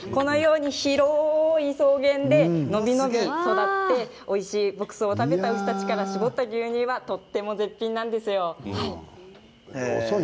広い草原で伸び伸び育っておいしい牧草を食べた牛たちから搾った牛乳はとても絶品なんですよ。